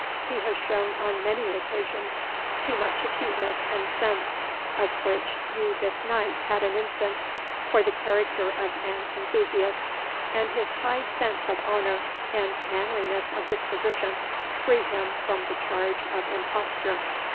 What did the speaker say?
He has shown on many occasions too much acuteness and sense, of which you this night had an instance, for the character of an enthusiast; and his high sense of honour, and manliness of disposition, free him from the charge of imposture."